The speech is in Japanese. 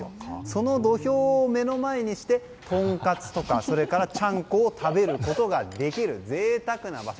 その土俵を目の前にしてとんかつとかちゃんこを食べることができる贅沢な場所。